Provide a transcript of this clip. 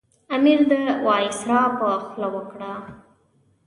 امیر د وایسرا په خوله وکړه.